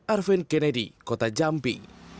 arvin kennedy kota jambi